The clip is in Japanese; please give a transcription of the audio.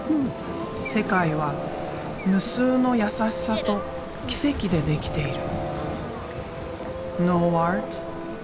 世界は無数のやさしさと奇跡でできている。